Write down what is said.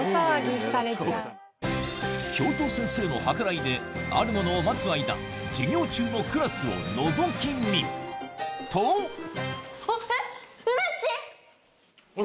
教頭先生の計らいであるものを待つ間授業中のクラスをのぞき見とえっ！